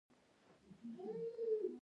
هره لوحه د یوې کیسې استازیتوب کاوه.